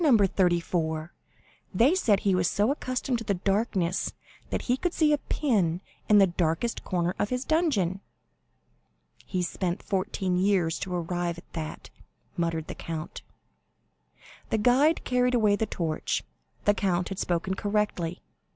34. They said he was so accustomed to darkness that he could see a pin in the darkest corner of his dungeon." "He spent fourteen years to arrive at that," muttered the count. The guide carried away the torch. The count had spoken correctly.